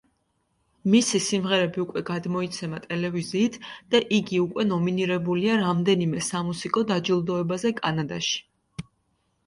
მისი სიმღერები უკვე გადმოიცემა ტელევიზიით და იგი უკვე ნომინირებულია რამდენიმე სამუსიკო დაჯილდოებაზე კანადაში.